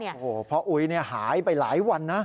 โอ้โหพ่ออุ๊ยหายไปหลายวันนะ